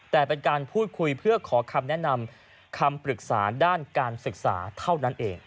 แต่เป็นการพูดคุยเพื่อขอคำแนะนำคำปรึกษาด้านการศึกษาเท่านั้นเอง